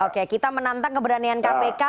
oke kita menantang keberanian kpk